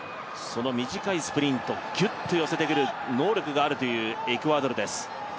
その短いスプリントをギュッと寄せてくる能力があるエクアドルです。